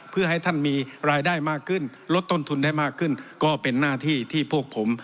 เพื่อให้ท่านมีรายได้มากขึ้นลดต้นทุนได้มากขึ้นก็เป็นหน้าที่ที่พวกผม